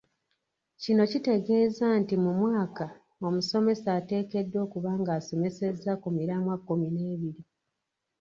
Kino kitegeeza nti mu mwaka omusomesa oteekeddwa okuba nga osomesezza ku miramwa kkumi n’ebiri.